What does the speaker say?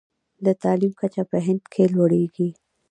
د تعلیم کچه په هند کې لوړیږي.